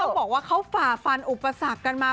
บอกว่าเขาฝ่าฟันอุปสรรคกันมา